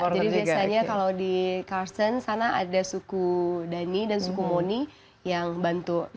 jadi biasanya kalau di karsten sana ada suku dhani dan suku moni yang bantu